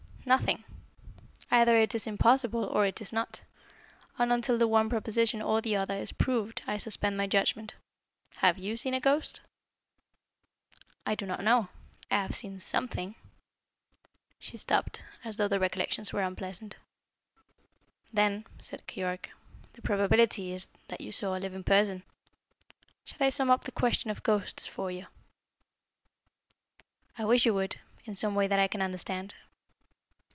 "Nothing. Either it is possible, or it is not, and until the one proposition or the other is proved I suspend my judgment. Have you seen a ghost?" "I do not know. I have seen something " She stopped, as though the recollections were unpleasant. "Then" said Keyork, "the probability is that you saw a living person. Shall I sum up the question of ghosts for you?" "I wish you would, in some way that I can understand."